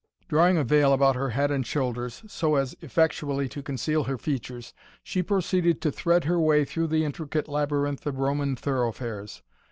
Drawing a veil about her head and shoulders so as effectually to conceal her features, she proceeded to thread her way through the intricate labyrinth of Roman thoroughfares.